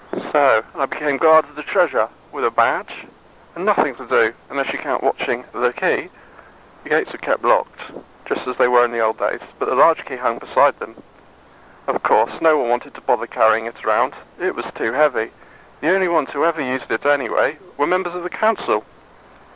So I became guard of the Treasure. With a badge. And nothing to do unless you count watching the Key. The gates were kept locked, just as they were in the old days, but the large Key hung beside them. Of course, no one wanted to bother carrying it around. It was too heavy. The only ones who ever used it, anyway, were members of the council.